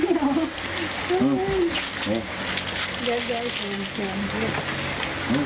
พร้อมทุกสิทธิ์